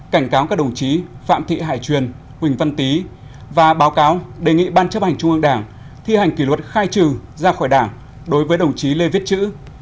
cảnh cáo các đồng chí phạm thị hải truyền quỳnh văn tý và báo cáo đề nghị ban chấp hành trung ương đảng thi hành kỷ luật khai trừ ra khỏi đảng đối với đồng chí lê viết chữ